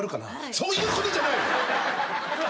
そういうことじゃない！